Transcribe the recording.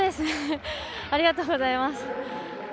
ありがとうございます。